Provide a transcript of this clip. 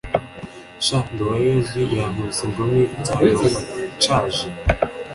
sha Nduwayezu yankubise ingumi nzayumva nshyaje